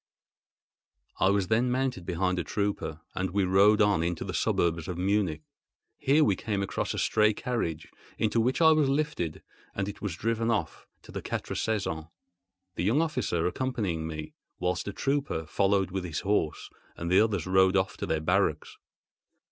I was then mounted behind a trooper, and we rode on into the suburbs of Munich. Here we came across a stray carriage, into which I was lifted, and it was driven off to the Quatre Saisons—the young officer accompanying me, whilst a trooper followed with his horse, and the others rode off to their barracks.